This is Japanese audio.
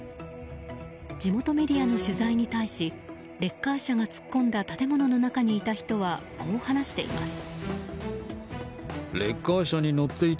地元メディアの取材に対しレッカー車が突っ込んだ建物の中にいた人はこう話しています。